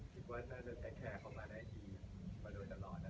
คิดว่าถ้าเดินแคลร์เข้ามาได้ดีกว่าโดยตลอดแล้วนะครับ